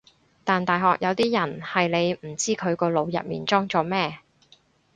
但大學有啲人係你唔知佢個腦入面裝咗乜